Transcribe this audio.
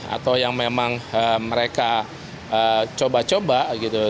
atau yang memang mereka coba coba gitu